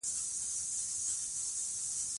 زۀ غواړم د پښتو ژبې لپاره کار وکړم!